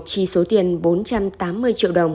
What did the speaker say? chi số tiền bốn trăm tám mươi triệu đồng